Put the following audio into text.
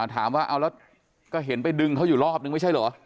ถามว่าเอาแล้วก็เห็นไปดึงเขาอยู่รอบนึงไม่ใช่เหรอ